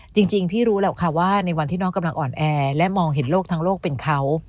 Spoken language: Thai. จริงพี่รู้แหละค่ะว่าในวันที่น้องกำลังอ่อนแอและมองเห็นโลกทั้งโลกเป็นเขา